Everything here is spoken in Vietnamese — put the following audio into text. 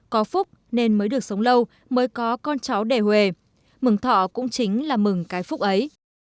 có phúc nên mới được sống lâu mới có con cháu để hùê mừng thọ cũng chính là mừng cái phúc ấy